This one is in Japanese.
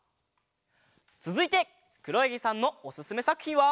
つづいてくろやぎさんのおすすめさくひんは。